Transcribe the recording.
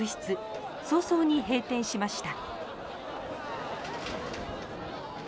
早々に閉店しました。